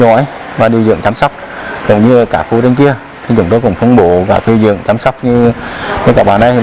bộ và điều dưỡng chăm sóc như các bạn đây chúng tôi cũng phóng bộ và điều dưỡng chăm sóc như các bạn đây